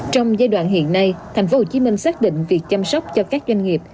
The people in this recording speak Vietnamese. trong giai đoạn hiện nay tp hcm xác định việc chăm sóc cho các doanh nghiệp